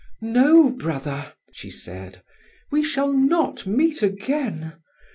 "No, brother," she said, "we shall not meet again.